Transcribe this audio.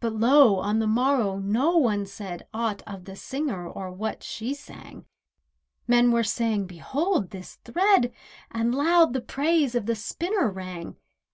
But lo! on the morrow no one said Aught of the singer or what she sang. Men were saying: "Behold this thread," And loud the praise of the spinner rang.